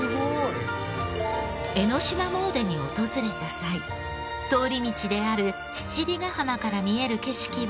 江の島詣でに訪れた際通り道である七里ヶ浜から見える景色は。